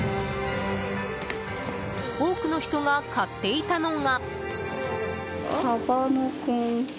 多くの人が買っていたのが。